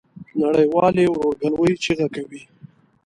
نړۍ والي ورورګلوی چیغه کوي.